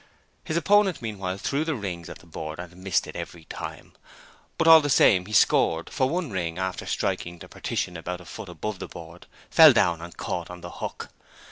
His opponent meanwhile threw the rings at the board and missed it every time, but all the same he scored, for one ring, after striking the partition about a foot above the board, fell down and caught on the hook.